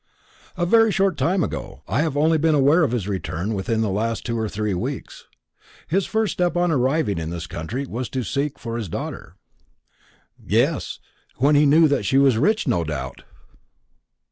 "A very short time ago. I have only been aware of his return within the last two or three weeks. His first step on arriving in this country was to seek for his daughter." "Yes; when he knew that she was rich, no doubt."